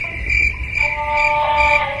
هغه وویل چي پوهه د دنیا او اخرت رڼا ده.